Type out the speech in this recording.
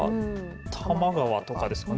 多摩川とかですかね。